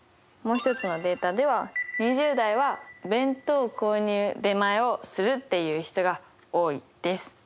もう一つのデータでは２０代は弁当購入出前をするっていう人が多いです。